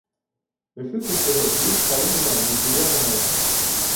Өфө кешеһе үҙ хәлен генә етдигә һанай.